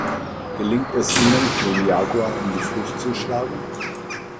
Gelingt es ihnen, den Jaguar in die Flucht zu schlagen?